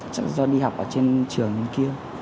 chắc là do đi học ở trên trường kia